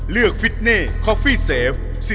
เลือกฟิตเน่คอฟฟี่เสฟ